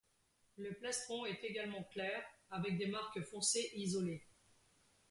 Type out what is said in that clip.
Le plastron est également clair avec des marques foncées isolées.